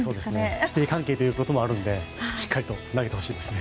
師弟関係ということもあるのでしっかり投げてほしいですね。